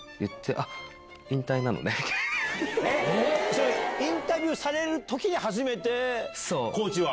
それインタビューされる時に初めてコーチは。